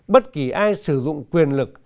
bất kỳ ai sử dụng quyền lực